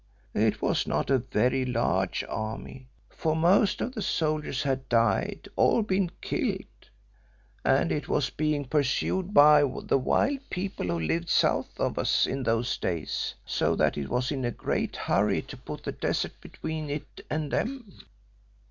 It was not a very large army, for most of the soldiers had died, or been killed, and it was being pursued by the wild people who lived south of us in those days, so that it was in a great hurry to put the desert between it and them.